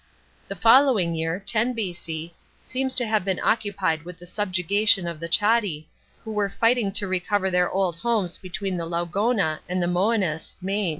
The following year (10 B.C.) seems to have been occupied with the subjugation of the Chatti, who were fighting to recover their old homes between the Laugonna and the Mcenus (Main).